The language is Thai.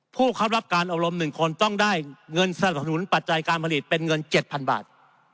ผู้เข้ารับการอบรม๑คนต้องได้เงินสนับสนุนปัจจัยการผลิตเป็นเงิน๗๐๐บาท